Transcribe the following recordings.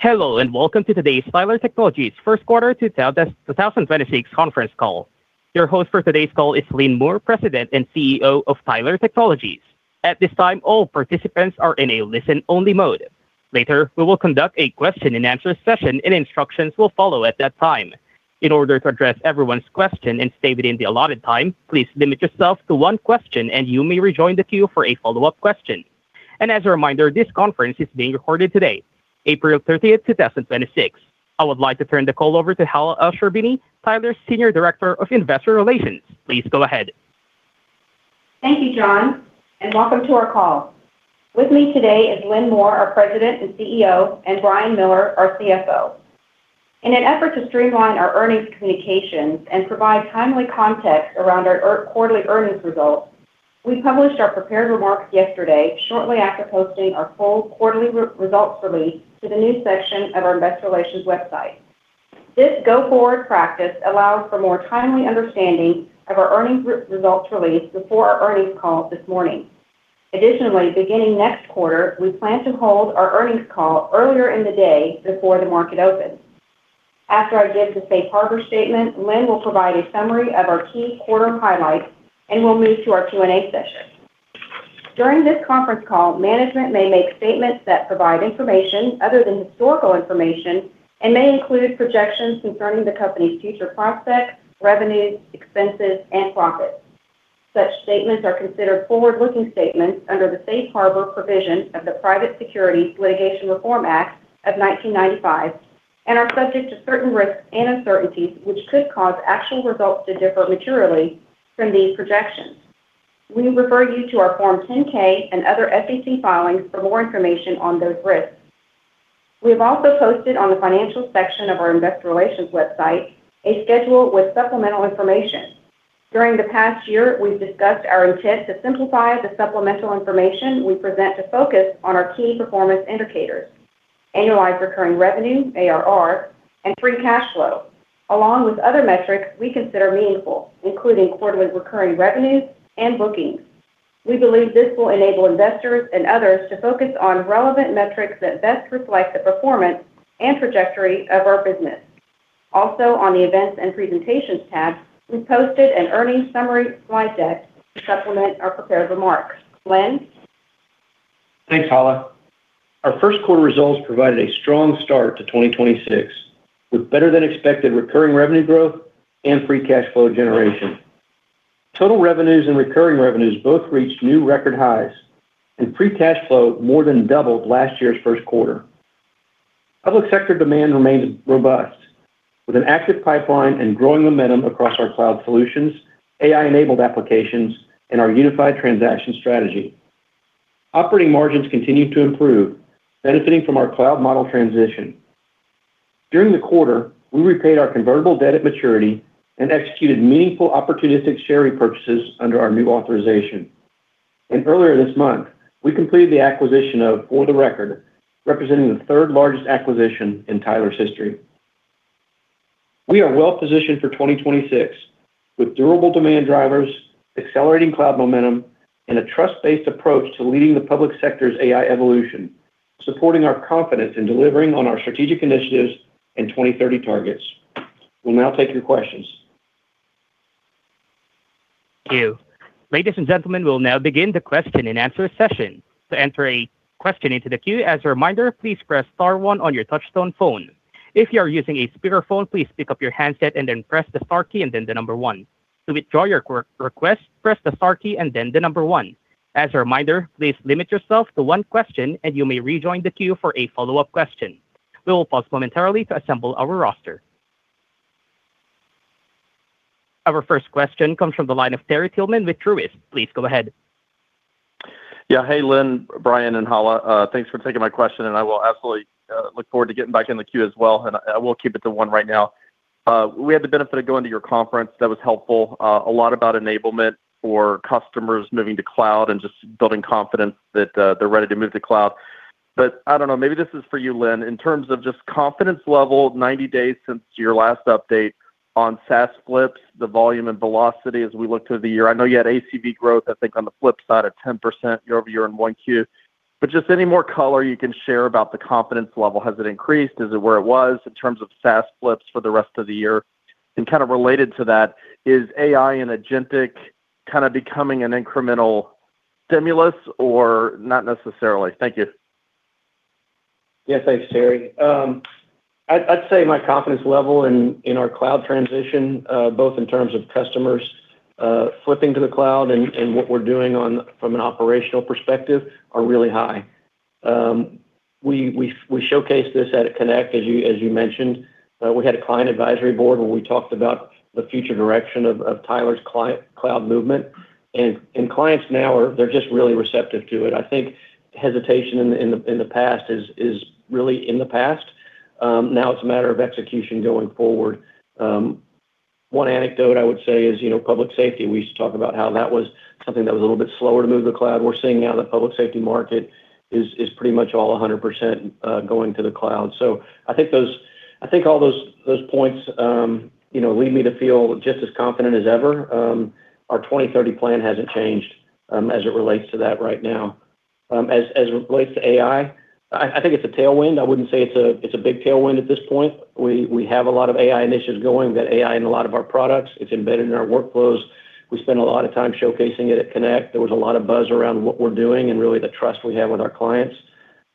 Hello, and welcome to today's Tyler Technologies first quarter 2026 conference call. Your host for today's call is Lynn Moore, President and CEO of Tyler Technologies. At this time, all participants are in a listen-only mode. Later, we will conduct a question and answer session, and instructions will follow at that time. In order to address everyone's question and stay within the allotted time, please limit yourself to one question, and you may rejoin the queue for a follow-up question. As a reminder, this conference is being recorded today, April 30, 2026. I would like to turn the call over to Hala Elsherbini, Tyler's Senior Director of Investor Relations. Please go ahead. Thank you, John, and welcome to our call. With me today is Lynn Moore, our President and CEO, and Brian Miller, our CFO. In an effort to streamline our earnings communications and provide timely context around our quarterly earnings results, we published our prepared remarks yesterday shortly after posting our full quarterly results release to the news section of our investor relations website. This go-forward practice allows for more timely understanding of our earnings results release before our earnings call this morning. Additionally, beginning next quarter, we plan to hold our earnings call earlier in the day before the market opens. After I give the safe harbor statement, Lynn will provide a summary of our key quarter highlights, and we'll move to our Q&A session. During this conference call, management may make statements that provide information, other than historical information and may include projections concerning the company's future prospects, revenues, expenses and profits. Such statements are considered forward-looking statements under the safe harbor provision of the Private Securities Litigation Reform Act of 1995, are subject to certain risks and uncertainties which could cause actual results to differ materially from these projections. We refer you to our Form 10-K and other SEC filings for more information on those risks. We have also posted on the financial section of our investor relations website a schedule with supplemental information. During the past year, we've discussed our intent to simplify the supplemental information we present to focus on our key performance indicators, annualized recurring revenue, ARR, and free cash flow, along with other metrics we consider meaningful, including quarterly recurring revenues and bookings. We believe this will enable investors and others to focus on relevant metrics that best reflect the performance and trajectory of our business. On the Events and Presentations tab, we've posted an earnings summary slide deck to supplement our prepared remarks. Lynn? Thanks, Hala. Our first quarter results provided a strong start to 2026, with better than expected recurring revenue growth and free cash flow generation. Total revenues and recurring revenues both reached new record highs, and free cash flow more than doubled last year's first quarter. Public sector demand remains robust, with an active pipeline and growing momentum across our cloud solutions, AI-enabled applications, and our unified transaction strategy. Operating margins continued to improve, benefiting from our cloud model transition. During the quarter, we repaid our convertible debt at maturity and executed meaningful opportunistic share repurchases under our new authorization. Earlier this month, we completed the acquisition of For the record, representing the third-largest acquisition in Tyler's history. We are well positioned for 2026 with durable demand drivers, accelerating cloud momentum, and a trust-based approach to leading the public sector's AI evolution, supporting our confidence in delivering on our strategic initiatives and 2030 targets. We'll now take your questions. Thank you. Ladies and gentlemen, we'll now begin the question and answer session. To enter a question into the queue, as a reminder, please press star one on your Touch-Tone phone. If you are using a speakerphone, please pick up your handset and then press the star key and then the number one. To withdraw your request, press the star key and then the number one. As a reminder, please limit yourself to one question, and you may rejoin the queue for a follow-up question. We will pause momentarily to assemble our roster. Our first question comes from the line of Terry Tillman with Truist. Please go ahead. Yeah. Hey, Lynn, Brian, and Hala. Thanks for taking my question. I will absolutely look forward to getting back in the queue as well, and I will keep it to one right now. We had the benefit of going to your conference. That was helpful. A lot about enablement for customers moving to cloud and just building confidence that they're ready to move to cloud. I don't know, maybe this is for you, Lynn. In terms of just confidence level, 90 days since your last update on SaaS flips, the volume and velocity as we look to the year. I know you had ACV growth, I think, on the flip side of 10% year-over-year in 1 Q4. Just any more color you can share about the confidence level. Has it increased? Is it where it was in terms of SaaS flips for the rest of the year? Kind of related to that, is AI and agentic kind of becoming an incremental stimulus or not necessarily? Thank you. Thanks, Terry. I'd say my confidence level in our cloud transition, both in terms of customers flipping to the cloud and what we're doing on from an operational perspective are really high. We showcased this at Tyler Connect, as you mentioned. We had a client advisory board where we talked about the future direction of Tyler's client cloud movement. Clients now are just really receptive to it. I think hesitation in the past is really in the past. Now it's a matter of execution going forward. One anecdote I would say is, you know, public safety. We used to talk about how that was something that was a little bit slower to move to the cloud. We're seeing now the public safety market is pretty much all 100% going to the cloud. I think all those points, you know, lead me to feel just as confident as ever. Our Tyler 2030 plan hasn't changed as it relates to that right now. As it relates to AI, I think it's a tailwind. I wouldn't say it's a big tailwind at this point. We have a lot of AI initiatives going. We've got AI in a lot of our products. It's embedded in our workflows. We spend a lot of time showcasing it at Connect. There was a lot of buzz around what we're doing and really the trust we have with our clients.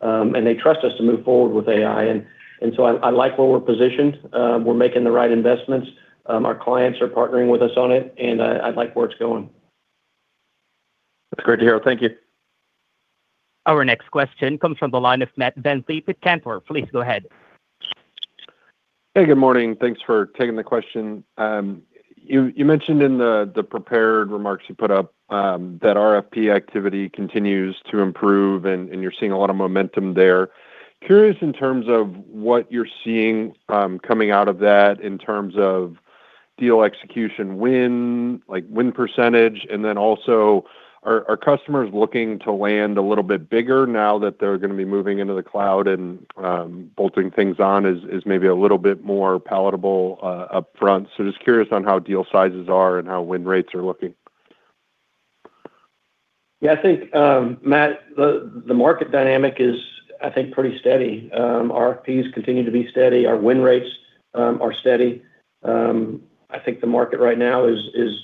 They trust us to move forward with AI. I like where we're positioned. We're making the right investments. Our clients are partnering with us on it, and I like where it's going. That's great to hear. Thank you. Our next question comes from the line of Matt VanVliet with Cantor. Please go ahead. Hey, good morning. Thanks for taking the question. You mentioned in the prepared remarks you put up that RFP activity continues to improve and you're seeing a lot of momentum there. Curious in terms of what you're seeing coming out of that in terms of deal execution win, like win percentage, and then also are customers looking to land a little bit bigger now that they're gonna be moving into the cloud and bolting things on is maybe a little bit more palatable upfront. Just curious on how deal sizes are and how win rates are looking. Yeah, I think, Matt, the market dynamic is, I think, pretty steady. RFPs continue to be steady. Our win rates are steady. I think the market right now is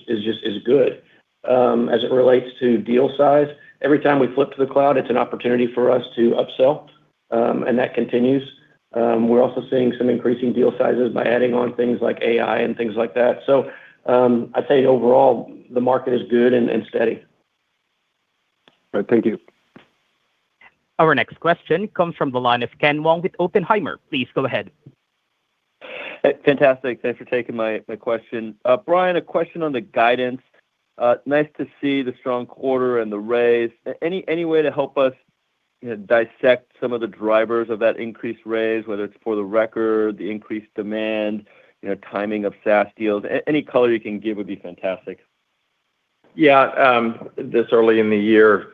just good. As it relates to deal size, every time we flip to the cloud, it's an opportunity for us to upsell, and that continues. We're also seeing some increasing deal sizes by adding on things like AI and things like that. I'd say overall the market is good and steady. All right. Thank you. Our next question comes from the line of Ken Wong with Oppenheimer. Please go ahead. Hey, fantastic. Thanks for taking my question. Brian, a question on the guidance. Nice to see the strong quarter and the raise. Any way to help us, you know, dissect some of the drivers of that increased raise, whether it's For The Record, the increased demand, you know, timing of SaaS deals? Any color you can give would be fantastic. Yeah. This early in the year,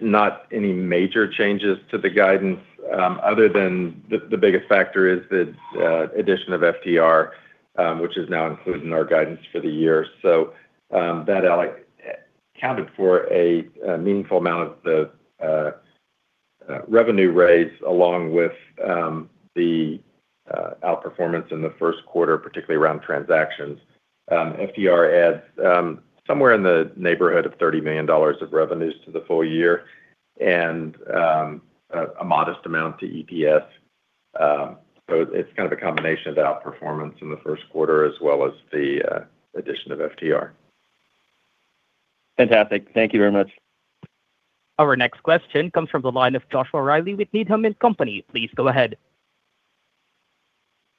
not any major changes to the guidance, other than the biggest factor is the addition of FTR, which is now included in our guidance for the year. That, Alex Zukin, counted for a meaningful amount of the revenue raise along with the out-performance in the first quarter, particularly around transactions. FTR adds somewhere in the neighborhood of $30 million of revenues to the full year and a modest amount to EPS. It's kind of a combination of the out-performance in the first quarter as well as the addition of FTR. Fantastic. Thank you very much. Our next question comes from the line of Joshua Reilly with Needham & Company. Please go ahead.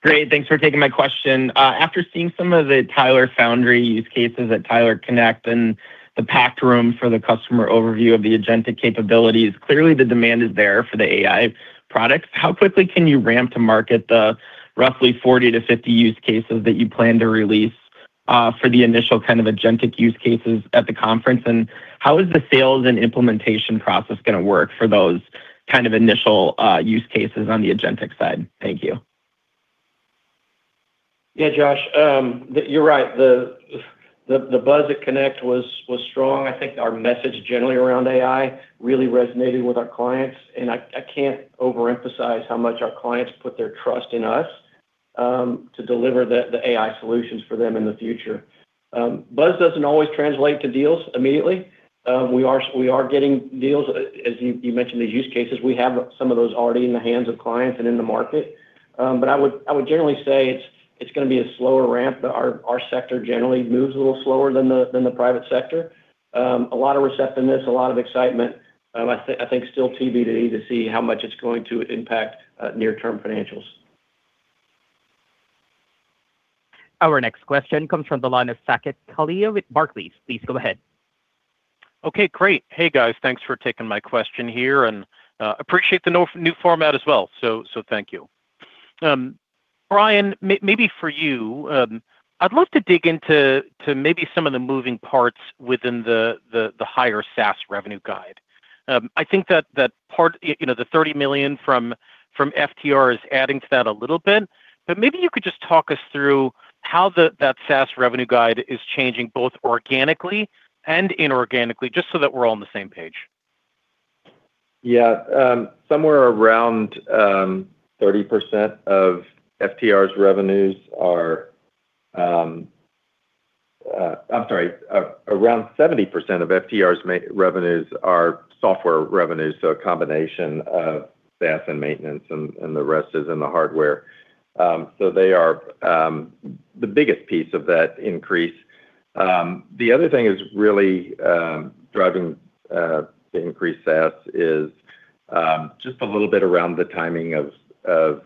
Great. Thanks for taking my question. After seeing some of the Tyler AI Foundry use cases at Tyler Connect and the packed room for the customer overview of the agentic capabilities, clearly the demand is there for the AI products. How quickly can you ramp to market the roughly 40-50 use cases that you plan to release for the initial kind of agentic use cases at the conference? How is the sales and implementation process gonna work for those kind of initial use cases on the agentic side? Thank you. Yeah, Josh, you're right. The buzz at Tyler Connect was strong. I think our message generally around AI really resonated with our clients, and I can't overemphasize how much our clients put their trust in us to deliver the AI solutions for them in the future. Buzz doesn't always translate to deals immediately. We are getting deals. As you mentioned the use cases, we have some of those already in the hands of clients and in the market. I would generally say it's gonna be a slower ramp. Our sector generally moves a little slower than the private sector. A lot of receptiveness, a lot of excitement. I think still TBD to see how much it's going to impact near-term financials. Our next question comes from the line of Saket Kalia with Barclays. Please go ahead. Okay, great. Hey, guys. Thanks for taking my question here, and appreciate the new format as well, so thank you. Brian, maybe for you, I'd love to dig into maybe some of the moving parts within the higher SaaS revenue guide. I think that part, you know, the $30 million from FTR is adding to that a little bit. Maybe you could just talk us through how that SaaS revenue guide is changing both organically and inorganically, just so that we're all on the same page. Yeah. Somewhere around 30% of FTR's revenues are. I'm sorry, around 70% of FTR's revenues are software revenues, so a combination of SaaS and maintenance, and the rest is in the hardware. They are the biggest piece of that increase. The other thing is really driving the increased SaaS is just a little bit around the timing of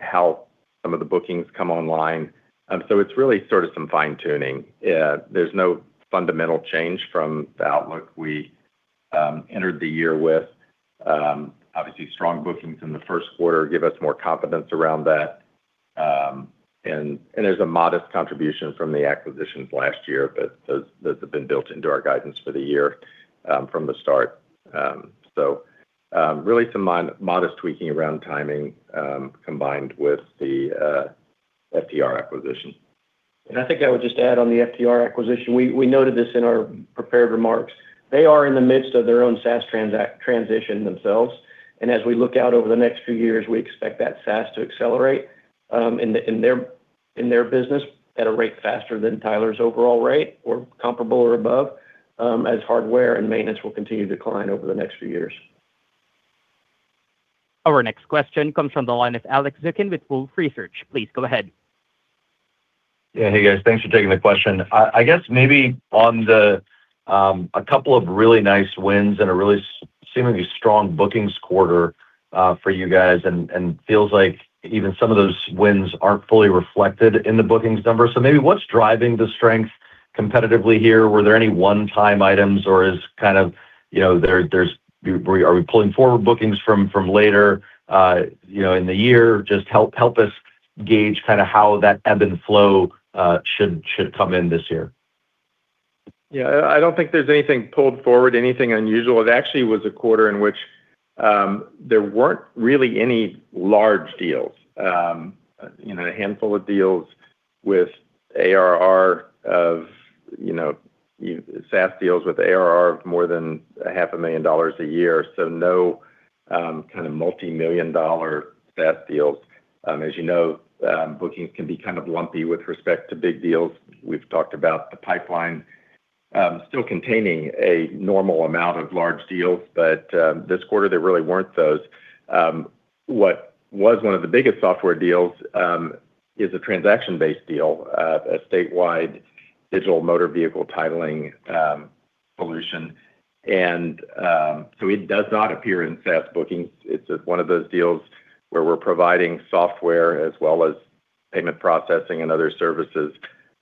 how some of the bookings come online. It's really sort of some fine-tuning. There's no fundamental change from the outlook we entered the year with. Obviously, strong bookings in the first quarter give us more confidence around that. There's a modest contribution from the acquisitions last year, but those have been built into our guidance for the year from the start. Really some modest tweaking around timing combined with the FTR acquisition. I think I would just add on the FTR acquisition, we noted this in our prepared remarks. They are in the midst of their own SaaS transition themselves, and as we look out over the next few years, we expect that SaaS to accelerate in their business at a rate faster than Tyler's overall rate, or comparable or above, as hardware and maintenance will continue to decline over the next few years. Our next question comes from the line of Alex Zukin with Wolfe Research. Please go ahead. Yeah. Hey, guys. Thanks for taking the question. I guess maybe on the a couple of really nice wins and a really seemingly strong bookings quarter for you guys, and feels like even some of those wins aren't fully reflected in the bookings numbers. Maybe what's driving the strength competitively here? Were there any one-time items, or is kind of, you know, are we pulling forward bookings from later, you know, in the year? Just help us gauge kinda how that ebb and flow should come in this year. Yeah. I don't think there's anything pulled forward, anything unusual. It actually was a quarter in which there weren't really any large deals. You know, a handful of deals with ARR of, you know, SaaS deals with ARR of more than a half a million dollars a year. No, kind of multi-million dollar SaaS deals. As you know, bookings can be kind of lumpy with respect to big deals. We've talked about the pipeline still containing a normal amount of large deals, but this quarter there really weren't those. What was one of the biggest software deals, is a transaction-based deal, a statewide digital motor vehicle titling solution. It does not appear in SaaS bookings. It's one of those deals where we're providing software as well as payment processing and other services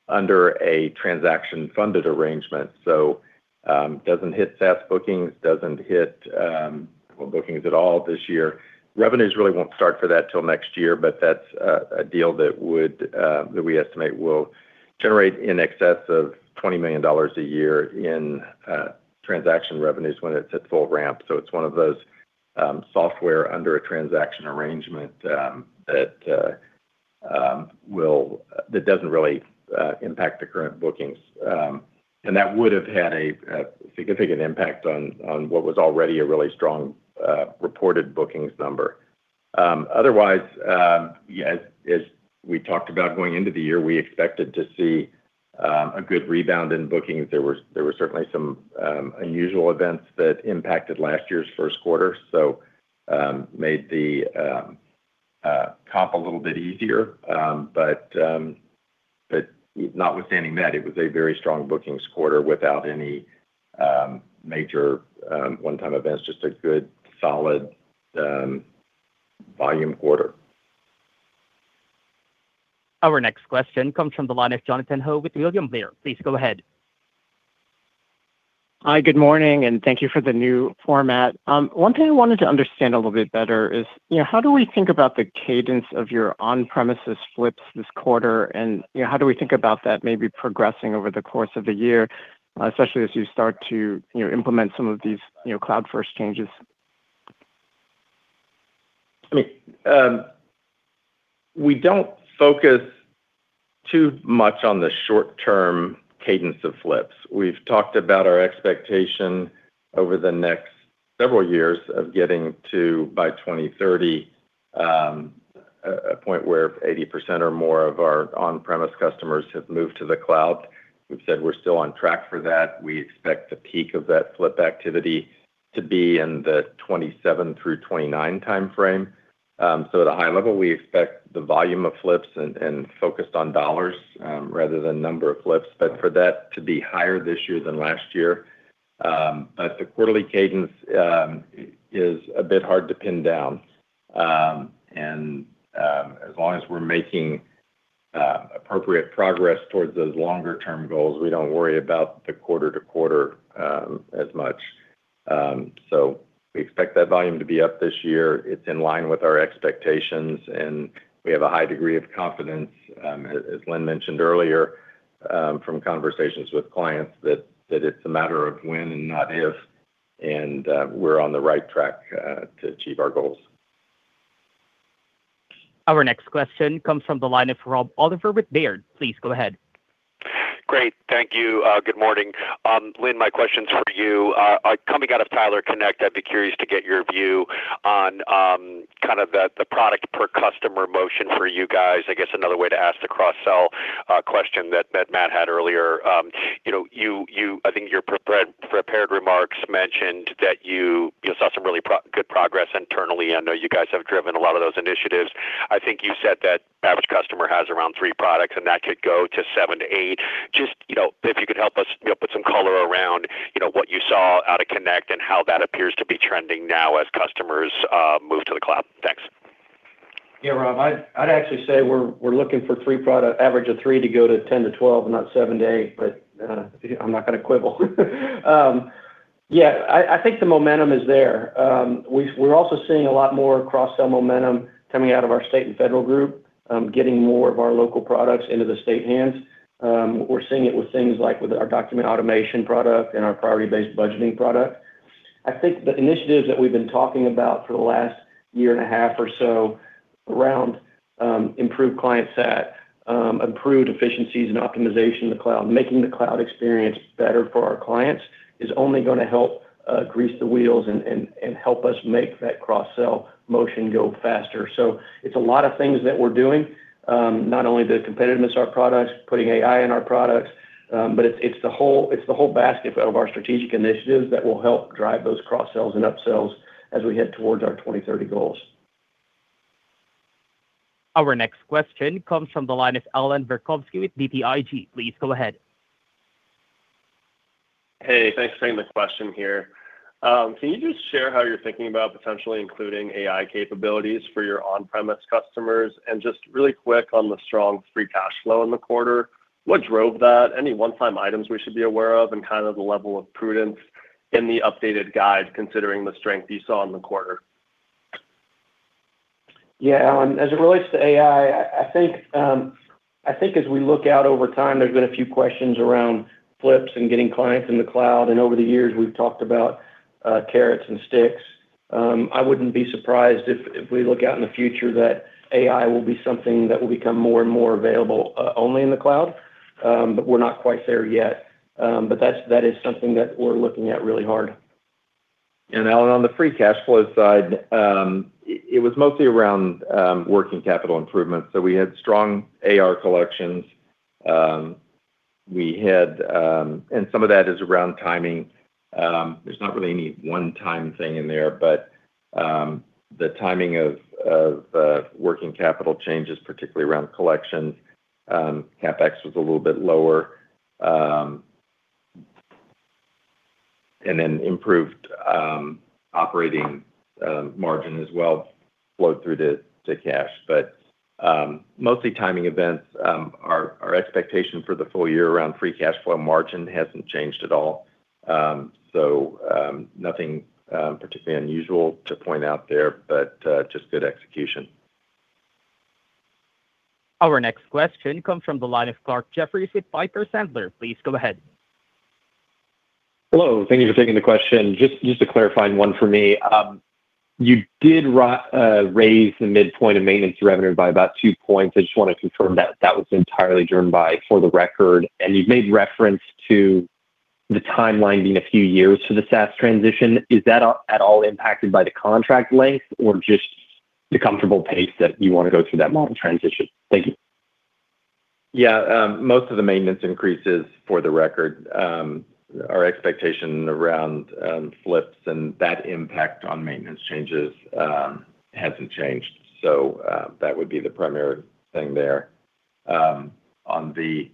under a transaction-funded arrangement. Doesn't hit SaaS bookings, doesn't hit, well, bookings at all this year. Revenues really won't start for that till next year, but that's a deal that would that we estimate will generate in excess of $20 million a year in transaction revenues when it's at full ramp. It's one of those software under a transaction arrangement that doesn't really impact the current bookings. That would have had a significant impact on what was already a really strong reported bookings number. Otherwise, yeah, as we talked about going into the year, we expected to see a good rebound in bookings. There was certainly some unusual events that impacted last year's first quarter, so made the comp a little bit easier. Notwithstanding that, it was a very strong bookings quarter without any major one-time events. Just a good solid volume quarter. Our next question comes from the line of Jonathan Ho with William Blair. Please go ahead. Hi, good morning. Thank you for the new format. One thing I wanted to understand a little bit better is, you know, how do we think about the cadence of your on-premises flips this quarter and, you know, how do we think about that maybe progressing over the course of the year, especially as you start to, you know, implement some of these, you know, cloud-first changes? I mean, we don't focus too much on the short-term cadence of flips. We've talked about our expectation over the next several years of getting to, by 2030, a point where 80% or more of our on-premise customers have moved to the cloud. We've said we're still on track for that. We expect the peak of that flip activity to be in the 2027-2029 time-frame. At a high level, we expect the volume of flips and focused on dollars, rather than number of flips, but for that to be higher this year than last year. The quarterly cadence is a bit hard to pin down. As long as we're making appropriate progress towards those longer term goals, we don't worry about the quarter to quarter as much. We expect that volume to be up this year. It's in line with our expectations, and we have a high degree of confidence, as Lynn mentioned earlier, from conversations with clients that it's a matter of when and not if, and we're on the right track to achieve our goals. Our next question comes from the line of Rob Oliver with Baird. Please go ahead. Great. Thank you. Good morning. Lynn, my question's for you. Coming out of Tyler Connect, I'd be curious to get your view on, kind of the product per customer motion for you guys. I guess another way to ask the cross-sell, question that Matt had earlier. You know, I think your prepared remarks mentioned that you saw some really good progress internally. I know you guys have driven a lot of those initiatives. I think you said that average customer has around three products, and that could go to seven to eight. Just, you know, if you could help us, you know, put some color around, you know, what you saw out of Connect and how that appears to be trending now as customers, move to the cloud. Thanks. Yeah, Rob, I'd actually say we're looking for three product, average of three to go to 10 to 12, not seven to eight. You know, I'm not gonna quibble. Yeah, I think the momentum is there. We're also seeing a lot more cross-sell momentum coming out of our state and federal group, getting more of our local products into the state hands. We're seeing it with things like with our Document Automation product and our Priority Based Budgeting product. I think the initiatives that we've been talking about for the last year and a half or so around improved client sat, improved efficiencies and optimization in the cloud, making the cloud experience better for our clients is only gonna help grease the wheels and help us make that cross-sell motion go faster. It's a lot of things that we're doing, not only to competitiveness our products, putting AI in our products, but it's the whole basket of our strategic initiatives that will help drive those cross-sells and up-sells as we head towards our 2030 goals. Our next question comes from the line of Allen Berkowitz with BTIG. Please go ahead. Hey, thanks for taking the question here. Can you just share how you're thinking about potentially including AI capabilities for your on-premise customers? Just really quick on the strong free cash flow in the quarter, what drove that? Any one-time items we should be aware of and kind of the level of prudence in the updated guide considering the strength you saw in the quarter? Yeah, Allen, as it relates to AI, I think, I think as we look out over time, there's been a few questions around flips and getting clients in the cloud. Over the years we've talked about, carrots and sticks. I wouldn't be surprised if we look out in the future that AI will be something that will become more and more available, only in the cloud. We're not quite there yet. That is something that we're looking at really hard. Allen, on the free cash flow side, it was mostly around working capital improvements. We had strong AR collections. Some of that is around timing. There's not really any one time thing in there, but the timing of working capital changes, particularly around collections. CapEx was a little bit lower. Improved operating margin as well flowed through to cash. Mostly timing events. Our expectation for the full year around free cash flow margin hasn't changed at all. Nothing particularly unusual to point out there, just good execution. Our next question comes from the line of Clarke Jeffries with Piper Sandler. Please go ahead. Hello. Thank you for taking the question. A clarifying one for me. You did raise the midpoint of maintenance revenue by about two points. I just wanna confirm that that was entirely driven by For The Record, and you've made reference to the timeline being a few years for the SaaS transition. Is that at all impacted by the contract length or just the comfortable pace that you wanna go through that model transition? Thank you. Yeah, most of the maintenance increases for the record, our expectation around flips and that impact on maintenance changes hasn't changed. That would be the primary thing there. On the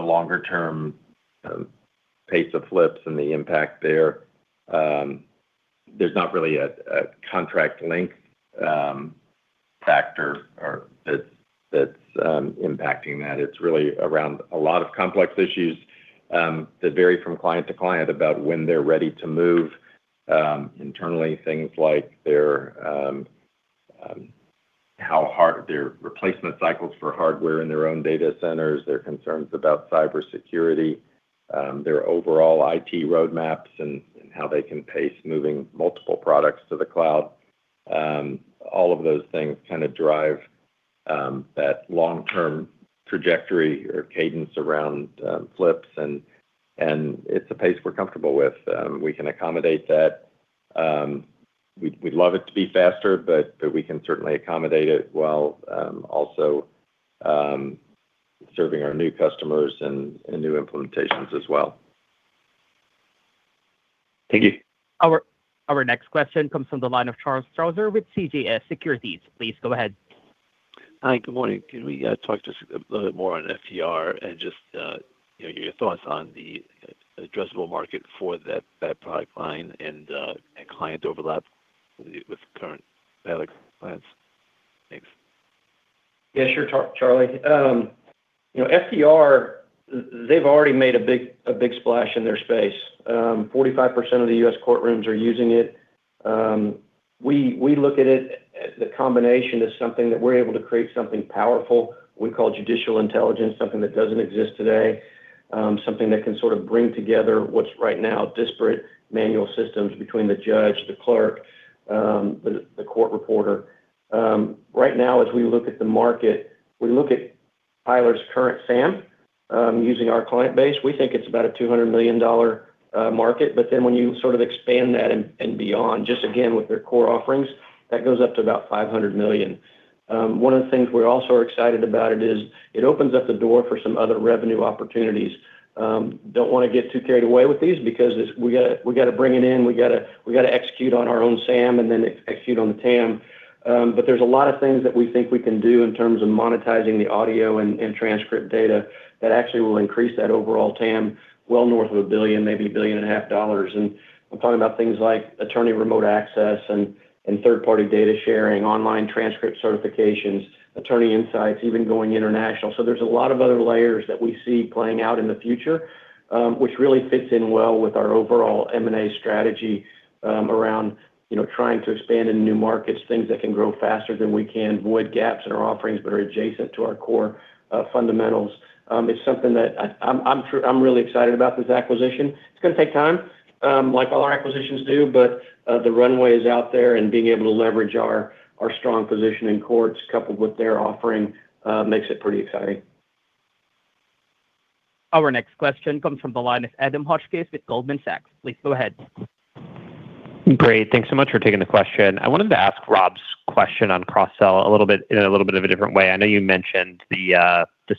longer term pace of flips and the impact there's not really a contract length factor or that's impacting that. It's really around a lot of complex issues that vary from client to client about when they're ready to move internally, things like their how hard their replacement cycles for hardware in their own data centers, their concerns about cybersecurity, their overall IT roadmaps and how they can pace moving multiple products to the cloud. All of those things kinda drive that long-term trajectory or cadence around flips and it's a pace we're comfortable with. We can accommodate that. We'd love it to be faster, but we can certainly accommodate it while also serving our new customers and new implementations as well. Thank you. Our next question comes from the line of Charles Strauzer with CJS Securities. Please go ahead. Hi, good morning. Can we talk just a little bit more on Socrata and you know, your thoughts on the addressable market for that product line and client overlap with current VALIC clients? Thanks. Yeah, sure, Charlie. You know, Socrata, they've already made a big splash in their space. 45% of the U.S. courtrooms are using it. We look at it as the combination is something that we're able to create something powerful, we call judicial intelligence, something that doesn't exist today. Something that can sort of bring together what's right now disparate manual systems between the judge, the clerk, the court reporter. Right now, as we look at the market, we look at Tyler's current SAM, using our client base. We think it's about a $200 million market. When you sort of expand that and beyond, just again with their core offerings, that goes up to about $500 million. One of the things we're also excited about it is it opens up the door for some other revenue opportunities. Don't wanna get too carried away with these because we gotta, we gotta bring it in. We gotta, we gotta execute on our own SAM and then execute on the TAM. There's a lot of things that we think we can do in terms of monetizing the audio and transcript data that actually will increase that overall TAM well north of $1 billion, maybe $1.5 billion. I'm talking about things like attorney remote access and third-party data sharing, online transcript certifications, attorney insights, even going international. There's a lot of other layers that we see playing out in the future, which really fits in well with our overall M&A strategy, around, you know, trying to expand into new markets, things that can grow faster than we can, void gaps in our offerings that are adjacent to our core fundamentals. It's something that I'm really excited about this acquisition. It's gonna take time, like all our acquisitions do, but the runway is out there, and being able to leverage our strong position in courts coupled with their offering, makes it pretty exciting. Our next question comes from the line of Adam Hotchkiss with Goldman Sachs. Please go ahead. Great. Thanks so much for taking the question. I wanted to ask Rob's question on cross-sell a little bit, in a little bit of a different way. I know you mentioned the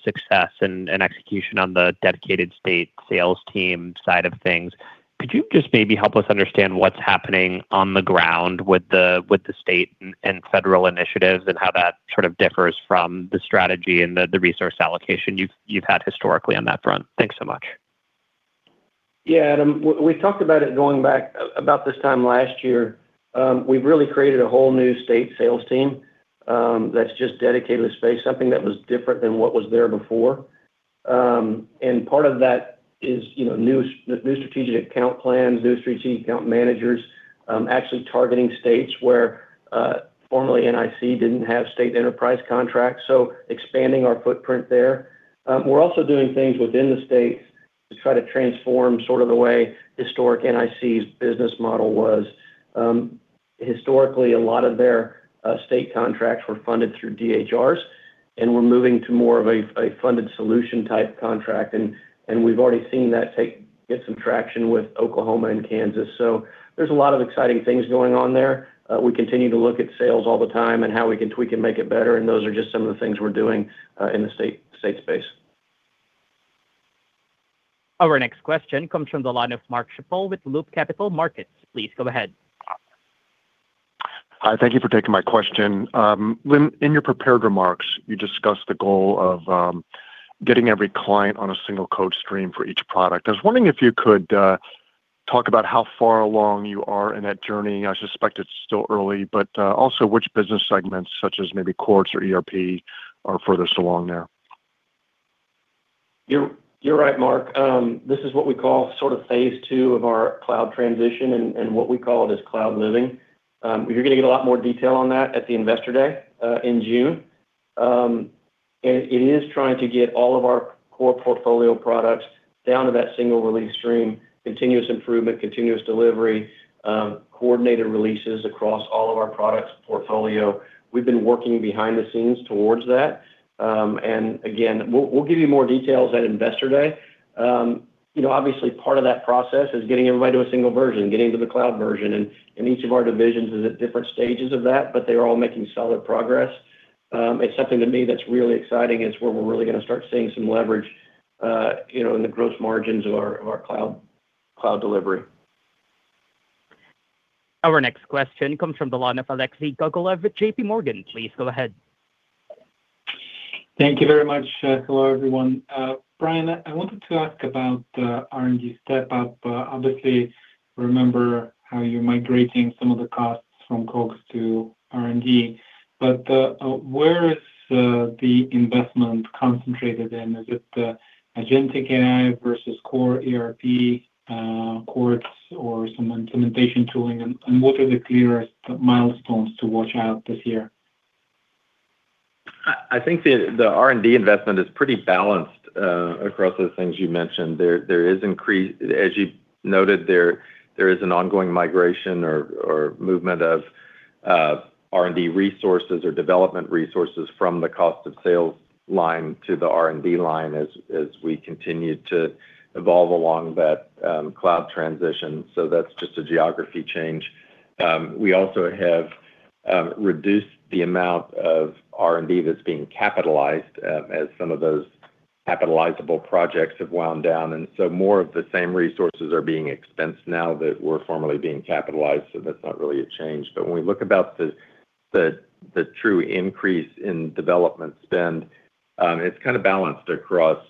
success and execution on the dedicated state sales team side of things. Could you just maybe help us understand what's happening on the ground with the state and federal initiatives and how that sort of differs from the strategy and the resource allocation you've had historically on that front? Thanks so much. Yeah, Adam. We talked about it going back about this time last year. We've really created a whole new state sales team, that's just dedicated a space, something that was different than what was there before. Part of that is, you know, new strategic account plans, new strategic account managers, actually targeting states where formerly NIC didn't have state enterprise contracts, so expanding our footprint there. We're also doing things within the states to try to transform sort of the way historic NIC's business model was. Historically, a lot of their state contracts were funded through DHRs, and we're moving to more of a funded solution type contract, and we've already seen that get some traction with Oklahoma and Kansas. There's a lot of exciting things going on there. We continue to look at sales all the time and how we can tweak and make it better, and those are just some of the things we're doing in the state space. Our next question comes from the line of Mark Schappel with Loop Capital Markets. Please go ahead. Hi, thank you for taking my question. Lynn, in your prepared remarks, you discussed the goal of getting every client on a single code stream for each product. I was wondering if you could talk about how far along you are in that journey. I suspect it's still early, but also which business segments, such as maybe courts or ERP, are furthest along there. You're right, Mark. This is what we call sort of phase II of our Cloud Living. You're going to get a lot more detail on that at the Investor Day in June. It is trying to get all of our core portfolio products down to that single release stream, continuous improvement, continuous delivery, coordinated releases across all of our products portfolio. We've been working behind the scenes towards that. Again, we'll give you more details at Investor Day. You know, obviously, part of that process is getting everybody to a single version, getting to the cloud version, and each of our divisions is at different stages of that, but they're all making solid progress. It's something to me that's really exciting. It's where we're really gonna start seeing some leverage, you know, in the gross margins of our cloud delivery. Our next question comes from the line of Alexei Gogolev with JPMorgan. Please go ahead. Thank you very much. Hello, everyone. Brian, I wanted to ask about the R&D step-up. Obviously remember how you're migrating some of the costs from COGS to R&D, but where is the investment concentrated in? Is it agentic AI versus core ERP, courts or some implementation tooling? What are the clearest milestones to watch out this year? I think the R&D investment is pretty balanced across those things you mentioned. As you noted, there is an ongoing migration or movement of R&D resources or development resources from the cost of sales line to the R&D line as we continue to evolve along that cloud transition, so that's just a geography change. We also have reduced the amount of R&D that's being capitalized as some of those capitalizable projects have wound down. More of the same resources are being expensed now that were formerly being capitalized, so that's not really a change. When we look about the true increase in development spend, it's kind of balanced across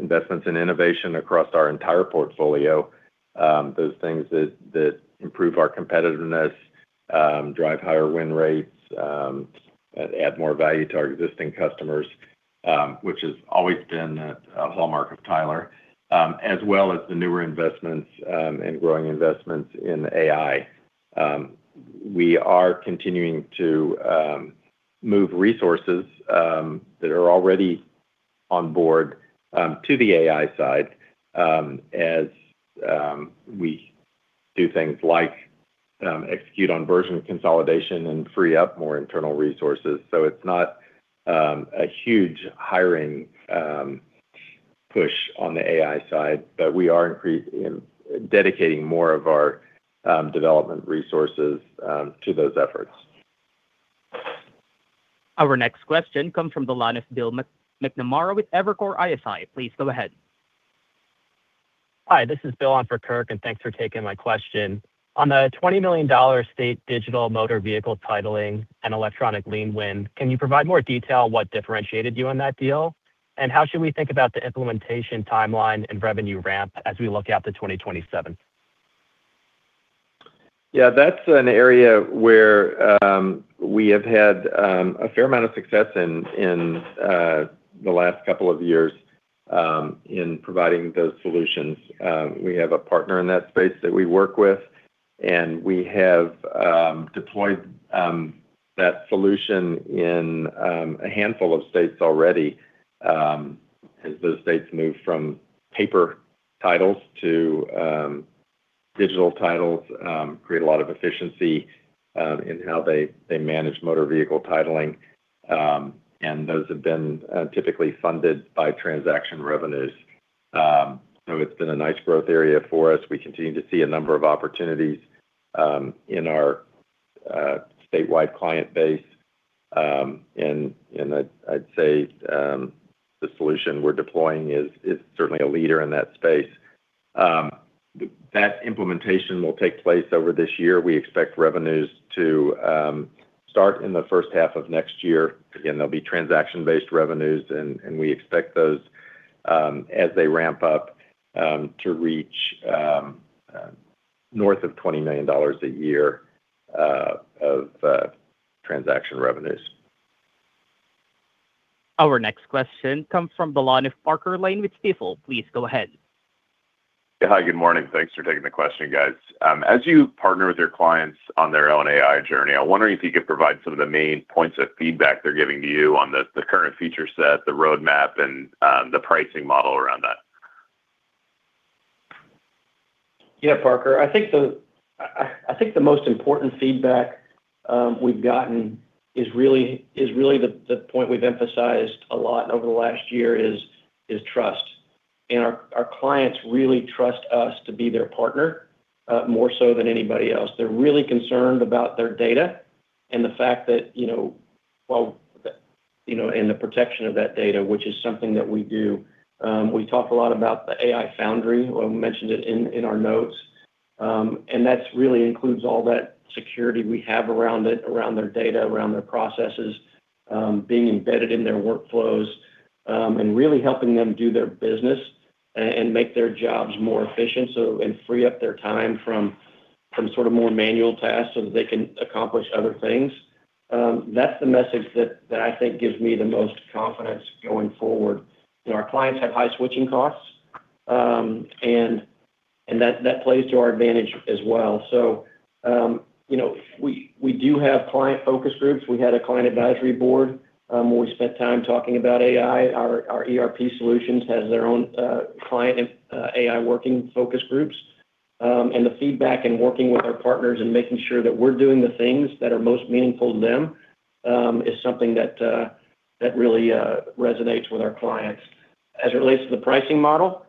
investments in innovation across our entire portfolio, those things that improve our competitiveness, drive higher win rates, add more value to our existing customers, which has always been a hallmark of Tyler, as well as the newer investments and growing investments in AI. We are continuing to move resources that are already on board to the AI side, as we do things like execute on version consolidation and free up more internal resources. It's not a huge hiring push on the AI side, but we are dedicating more of our development resources to those efforts. Our next question comes from the line of Bill McNamara with Evercore ISI. Please go ahead. Hi, this is Kirk Materne, thanks for taking my question. On the $20 million state digital motor vehicle titling and electronic lien win, can you provide more detail what differentiated you on that deal? How should we think about the implementation timeline and revenue ramp as we look out to 2027? Yeah, that's an area where we have had a fair amount of success in the last couple of years in providing those solutions. We have a partner in that space that we work with, and we have deployed that solution in a handful of states already as those states move from paper titles to digital titles, create a lot of efficiency in how they manage motor vehicle titling. Those have been typically funded by transaction revenues. It's been a nice growth area for us. We continue to see a number of opportunities in our statewide client base. I'd say the solution we're deploying is certainly a leader in that space. That implementation will take place over this year. We expect revenues to start in the first half of next year. Again, they'll be transaction-based revenues, and we expect those as they ramp up to reach north of $20 million a year of transaction revenues. Our next question comes from the line of Parker Lane with Stifel. Please go ahead. Yeah. Hi, good morning. Thanks for taking the question, guys. As you partner with your clients on their own AI journey, I'm wondering if you could provide some of the main points of feedback they're giving to you on the current feature set, the roadmap, and the pricing model around that. Yeah, Parker. I think the most important feedback we've gotten is really the point we've emphasized a lot over the last year is trust. Our clients really trust us to be their partner more so than anybody else. They're really concerned about their data and the fact that, you know, and the protection of that data, which is something that we do. We talk a lot about the AI Foundry. We mentioned it in our notes. That's really includes all that security we have around it, around their data, around their processes, being embedded in their workflows, and really helping them do their business and make their jobs more efficient, and free up their time from sort of more manual tasks, so that they can accomplish other things. That's the message that I think gives me the most confidence going forward. You know, our clients have high switching costs, and that plays to our advantage as well. You know, we do have client focus groups. We had a client advisory board, where we spent time talking about AI. Our ERP solutions has their own client and AI working focus groups. The feedback in working with our partners and making sure that we're doing the things that are most meaningful to them is something that really resonates with our clients. As it relates to the pricing model,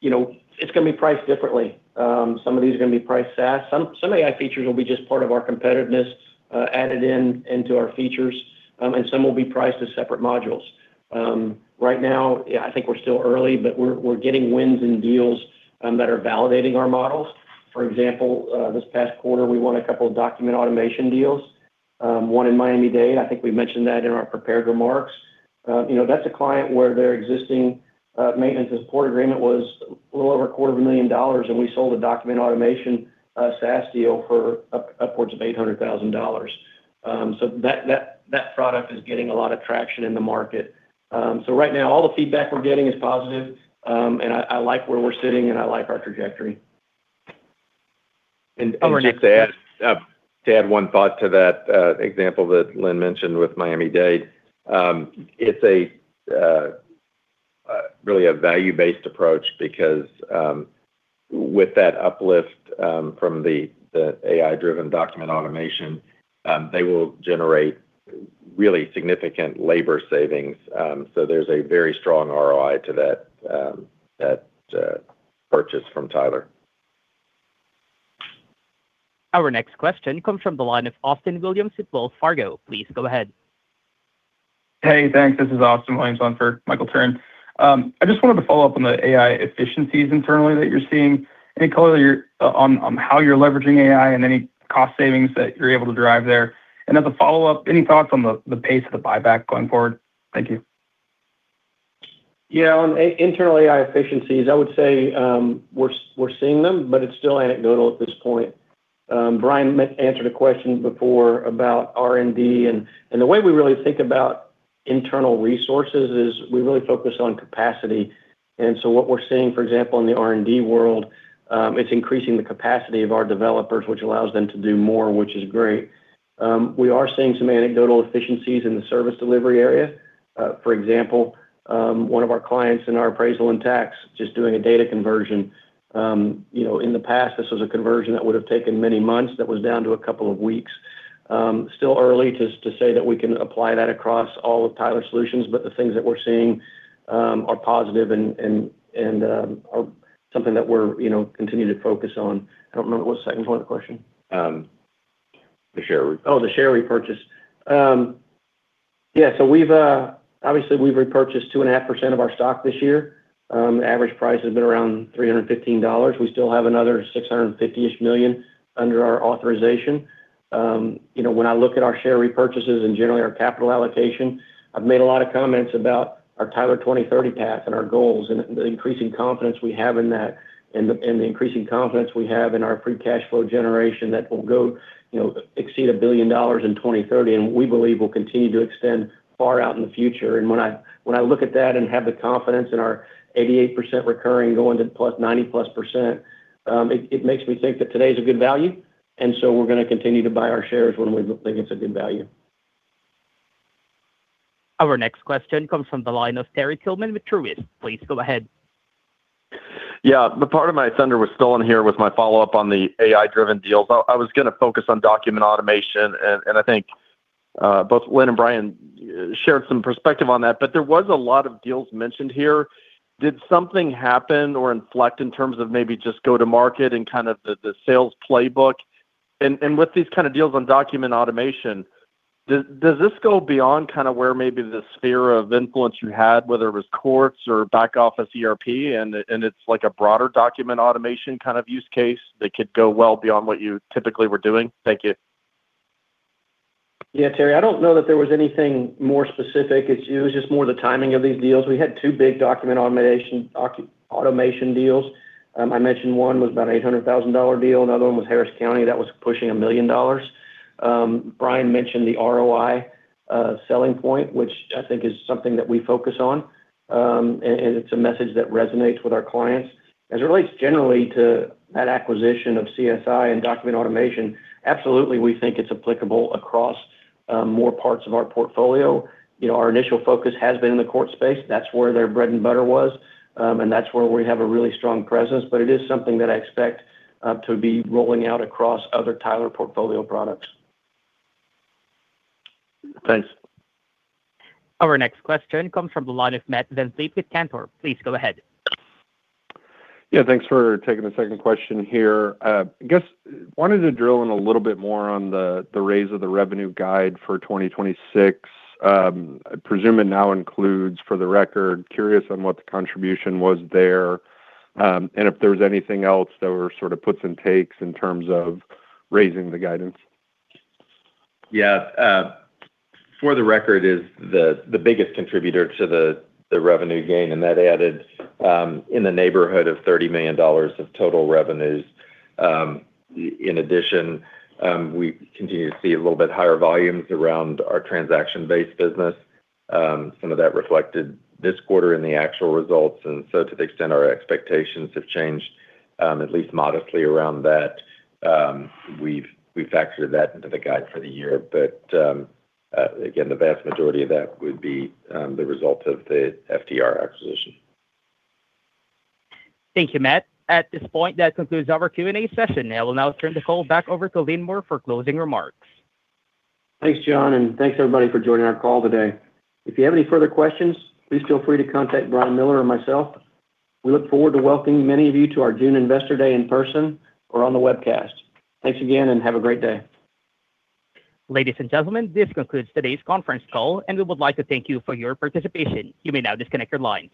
you know, it's gonna be priced differently. Some of these are gonna be priced SaaS. Some AI features will be just part of our competitiveness, added in into our features, and some will be priced as separate modules. Right now, yeah, I think we're still early, but we're getting wins and deals that are validating our models. For example, this past quarter, we won a couple Document Automation deals. One in Miami-Dade. I think we mentioned that in our prepared remarks. you know, that's a client where their existing, maintenance and support agreement was a little over a quarter of a million dollars, and we sold a Document Automation, SaaS deal for upwards of $800,000. That product is getting a lot of traction in the market. Right now, all the feedback we're getting is positive. I like where we're sitting, and I like our trajectory. Just to add, to add one thought to that example that Lynn mentioned with Miami-Dade. It's a really a value-based approach because with that uplift from the AI-driven Document Automation, they will generate really significant labor savings. There's a very strong ROI to that that purchase from Tyler. Our next question comes from the line of Michael Turrin with Wells Fargo. Please go ahead. Hey, thanks. This is Austin Williams on for Michael Turrin. I just wanted to follow up on the AI efficiencies internally that you're seeing. Any color on how you're leveraging AI and any cost savings that you're able to drive there? As a follow-up, any thoughts on the pace of the buyback going forward? Thank you. Yeah. On internally AI efficiencies, I would say, we're seeing them, but it's still anecdotal at this point. Brian Miller answered a question before about R&D. The way we really think about internal resources is we really focus on capacity. What we're seeing, for example, in the R&D world, it's increasing the capacity of our developers, which allows them to do more, which is great. We are seeing some anecdotal efficiencies in the service delivery area. For example, one of our clients in our appraisal and tax, just doing a data conversion, you know, in the past, this was a conversion that would have taken many months, that was down to a couple of weeks. Still early to say that we can apply that across all of Tyler solutions, the things that we're seeing are positive and are something that we're, you know, continuing to focus on. I don't remember what the second point of the question. The share re- Oh, the share repurchase. Yeah, we've obviously we've repurchased 2.5% of our stock this year. Average price has been around $315. We still have another $650-ish million under our authorization. You know, when I look at our share repurchases and generally our capital allocation, I've made a lot of comments about our Tyler 2030 path and our goals and the increasing confidence we have in that and the, and the increasing confidence we have in our free cash flow generation that will go, you know, exceed $1 billion in 2030, and we believe will continue to extend far out in the future. When I look at that and have the confidence in our 88% recurring going to plus 90+%, it makes me think that today's a good value. So we're gonna continue to buy our shares when we think it's a good value. Our next question comes from the line of Terry Tillman with Truist. Please go ahead. Yeah, the part of my thunder was stolen here with my follow-up on the AI-driven deals. I was gonna focus on Document Automation and I think both Lynn and Brian shared some perspective on that, but there was a lot of deals mentioned here. Did something happen or inflect in terms of maybe just go to market and kind of the sales playbook? With these kind of deals on Document Automation, does this go beyond kind of where maybe the sphere of influence you had, whether it was courts or back office ERP and it's like a broader Document Automation kind of use case that could go well beyond what you typically were doing? Thank you. Terry, I don't know that there was anything more specific. It was just more the timing of these deals. We had two big Document Automation deals. I mentioned one was about $800,000 deal. Another one was Harris County, that was pushing $1 million. Brian mentioned the ROI selling point, which I think is something that we focus on, and it's a message that resonates with our clients. As it relates generally to that acquisition of CSI and Document Automation, absolutely, we think it's applicable across more parts of our portfolio. You know, our initial focus has been in the court space. That's where their bread and butter was, and that's where we have a really strong presence. It is something that I expect to be rolling out across other Tyler portfolio products. Thanks. Our next question comes from the line of Matt VanVliet with Cantor. Please go ahead. Yeah, thanks for taking the second question here. I guess wanted to drill in a little bit more on the raise of the revenue guide for 2026. I presume it now includes For the Record. Curious on what the contribution was there, and if there's anything else there were sort of puts and takes in terms of raising the guidance? For The Record is the biggest contributor to the revenue gain, and that added in the neighborhood of $30 million of total revenues. In addition, we continue to see a little bit higher volumes around our transaction-based business. Some of that reflected this quarter in the actual results, to the extent our expectations have changed, at least modestly around that, we factored that into the guide for the year. Again, the vast majority of that would be the result of the FTR acquisition. Thank you, Matt. At this point, that concludes our Q&A session. I will now turn the call back over to Lynn Moore for closing remarks. Thanks, John, and thanks everybody for joining our call today. If you have any further questions, please feel free to contact Brian Miller or myself. We look forward to welcoming many of you to our June Investor Day in person or on the webcast. Thanks again, and have a great day. Ladies and gentlemen, this concludes today's conference call, and we would like to thank you for your participation. You may now disconnect your lines.